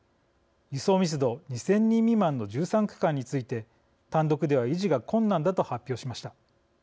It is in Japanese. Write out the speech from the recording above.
輸送密度２０００人未満の１３区間について単独では維持が困難だと発表しました。